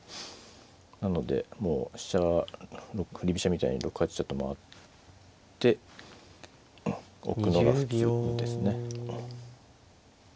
なのでもう飛車振り飛車みたいに６八飛車と回っておくのが普通ですね。